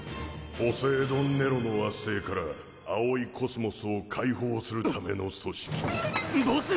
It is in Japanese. ・ポセイドン・ネロの圧政から葵宇宙を解放するための組織・ボス！